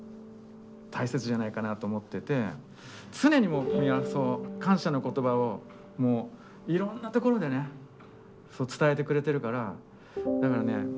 常に君は感謝の言葉をもういろんなところでね伝えてくれてるからだからね